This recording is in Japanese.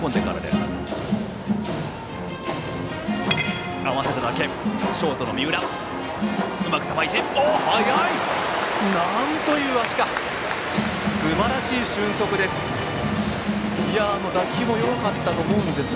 すばらしい俊足です。